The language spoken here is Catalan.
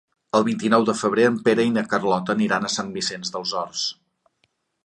El vint-i-nou de febrer en Pere i na Carlota aniran a Sant Vicenç dels Horts.